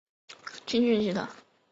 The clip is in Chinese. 库尔奇出身自罗马的青训系统。